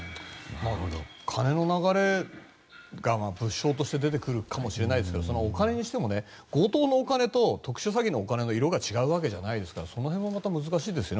金の流れが物証として出てくるかもしれないですがお金にしても、強盗のお金と特殊詐欺のお金で色が違うわけじゃないですからその辺もまた難しいですよね。